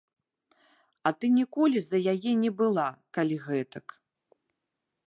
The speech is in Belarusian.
А ты ніколі за яе не была, калі гэтак.